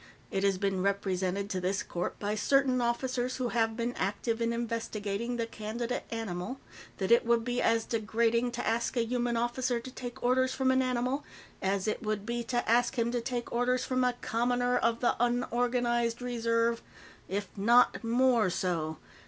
It has been represented to this court, by certain officers who have been active in investigating the candidate animal, that it would be as degrading to ask a human officer to take orders from an animal as it would be to ask him to take orders from a commoner of the Unorganized Reserve, if not more so.